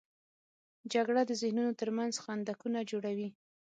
جګړه د ذهنونو تر منځ خندقونه جوړوي